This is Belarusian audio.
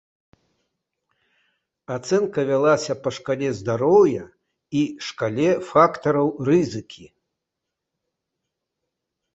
Ацэнка вялася па шкале здароўя і шкале фактараў рызыкі.